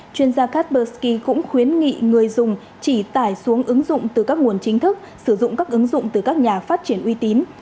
chuyên gia carbuski cũng khuyến nghị người dùng chỉ tải xuống ứng dụng từ các nguồn chính thức sử dụng các ứng dụng từ các nhà phát triển uy tín